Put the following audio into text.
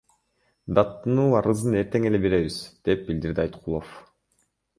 Даттануу арызын эртең эле беребиз, – деп билдирди Айткулов.